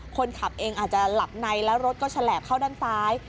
คนขับเองอาจจะหลับในแล้วรถก็ฉลาบเข้าด้านซ้าย